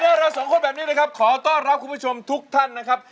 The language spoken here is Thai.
เราสองคนแบบนี้นะครับขอต้อนรับคุณผู้ชมทุกท่านนะครับ